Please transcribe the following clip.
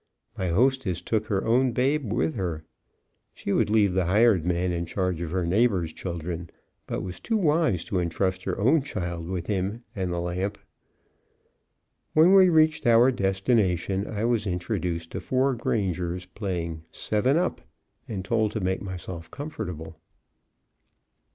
My hostess took her own babe with her. She would leave the hired man in charge of her neighbors' children, but was too wise to entrust her own child with him and the lamp. When we reached our destination I was introduced to four grangers playing "seven up," and told to make myself comfortable.